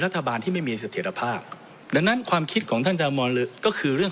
รัฐบาลที่ไม่มีเศรษฐภาพดังนั้นความคิดของท่านจะมองเลยก็คือเรื่อง